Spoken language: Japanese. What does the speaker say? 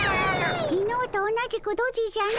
きのうと同じくドジじゃの。